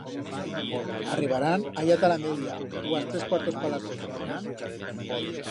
Arribarán allá ta la media u a's tres cuartos pa las doce.